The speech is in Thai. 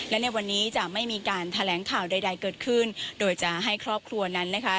และในวันนี้จะไม่มีการแถลงข่าวใดเกิดขึ้นโดยจะให้ครอบครัวนั้นนะคะ